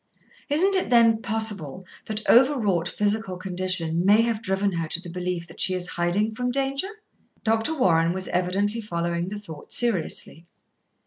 Isn't it, then, possible that over wrought physical condition may have driven her to the belief that she is hiding from danger." Dr. Warren was evidently following the thought seriously.